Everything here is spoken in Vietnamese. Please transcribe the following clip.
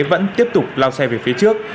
vẫn tiếp tục lao xe về phía trước